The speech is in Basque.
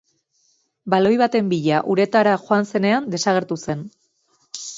Baloi baten bila uretara joan zenean desagertu zen.